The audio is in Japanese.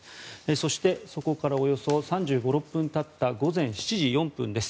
そして、そこからおよそ３５３６分たった午前７時４分です。